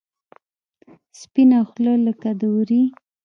سپینه خوله لکه د ورې.